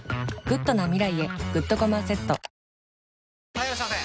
・はいいらっしゃいませ！